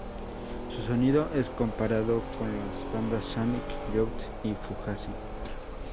Su sonido es comparado con las bandas Sonic Youth y Fugazi.